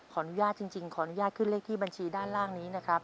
จริงขออนุญาตขึ้นเลขที่บัญชีด้านล่างนี้นะครับ